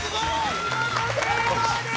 見事成功です！